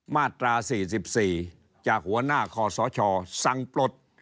มาตรา๔๔จากหัวหน้าคอสชสั่งปลด